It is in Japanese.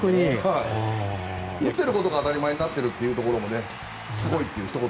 打っていることが当たり前になっているところもすごいというところ。